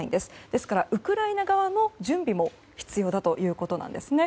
ですから、ウクライナ側の準備も必要だということなんです。